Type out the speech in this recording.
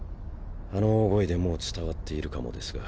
あの大声でもう伝わっているかもですが。